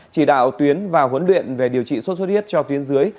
chỉ đạo tuyến và huấn luyện về điều trị sốt xuất huyết cho tuyến dưới